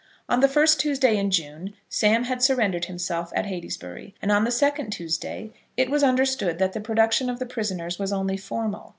On the first Tuesday in June Sam had surrendered himself at Heytesbury, and on the second Tuesday it was understood that the production of the prisoners was only formal.